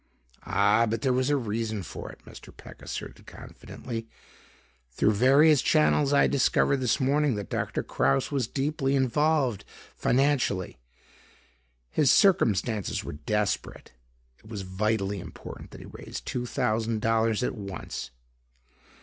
"Ah, but there was a reason for it," Mr. Peck asserted confidently. "Through various channels, I discovered this morning that Doctor Kraus was deeply involved financially. His circumstances were desperate. It was vitally important that he raise two thousand dollars at once."